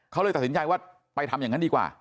เขาเลยตัดสินใจว่าไปทำอย่างนั้นดีกว่า